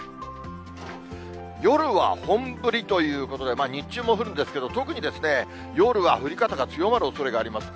夜は本降りということで、日中も降るんですけど、特に夜は降り方が強まるおそれがあります。